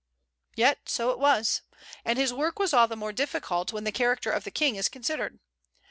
Yet so it was; and his work was all the more difficult when the character of the King is considered.